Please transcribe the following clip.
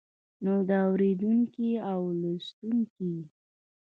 نو د اوريدونکي او لوستونکي